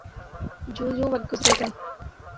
جوں جوں وقت گزرے گا۔